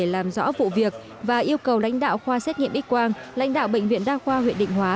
làm rõ vụ việc và yêu cầu lãnh đạo khoa xét nghiệm x quang lãnh đạo bệnh viện đa khoa huyện định hóa